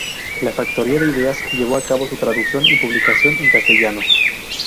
La Factoría de Ideas llevó a cabo su traducción y publicación en castellano.